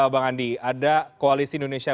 bang andi ada koalisi indonesia